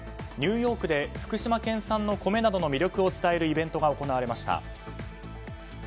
ニューヨークで福島県産の米などの魅力を伝えるイベントが行われました。